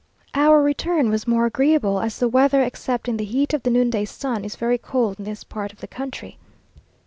Our return was more agreeable, as the weather, except in the heat of the noonday sun, is very cold in this part of the country.